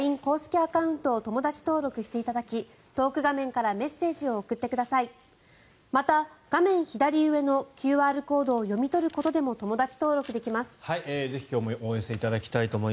アカウントを友だち登録していただきトーク画面からメッセージを送ってください。